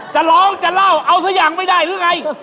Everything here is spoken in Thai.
จะร้องจะเล่าเอาสักอย่างไม่ได้หรือไง